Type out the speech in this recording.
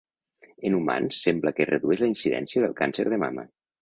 En humans sembla que redueix la incidència del càncer de mama.